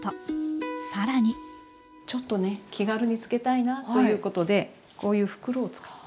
更にちょっとね気軽に漬けたいなということでこういう袋を使って。